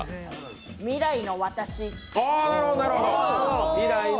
未来の私。